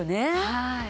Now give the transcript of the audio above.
はい。